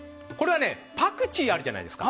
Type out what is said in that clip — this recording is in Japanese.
パクチーあるじゃないですか。